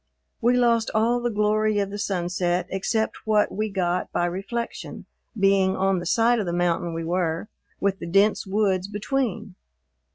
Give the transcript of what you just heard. We lost all the glory of the sunset except what we got by reflection, being on the side of the mountain we were, with the dense woods between.